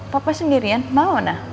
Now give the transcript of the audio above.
papa sendirian mau nah